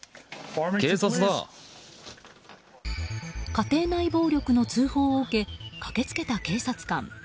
家庭内暴力の通報を受け駆けつけた警察官。